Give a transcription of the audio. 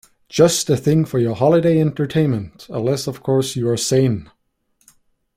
Just the thing for your holiday entertainment-unless, of course, you are sane.